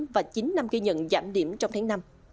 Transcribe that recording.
và chín năm ghi nhận giảm điểm trong tháng năm